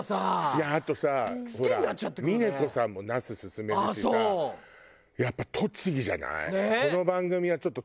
いやあとさほら峰子さんも那須薦めててさやっぱ栃木じゃない？ねえ！